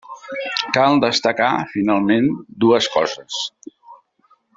Cal destacar, finalment, dues coses.